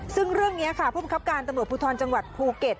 ซึ่งเรื่องนี้ค่ะผู้บังคับการตำรวจภูทรจังหวัดภูเก็ต